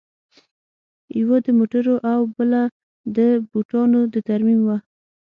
یوه د موټرو او بله د بوټانو د ترمیم وه